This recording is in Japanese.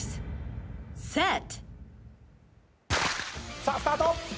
さあスタート！